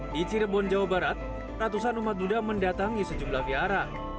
di cirebon jawa barat ratusan umat buddha mendatangi sejumlah vihara